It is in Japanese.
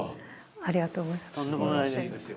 ありがとうございます。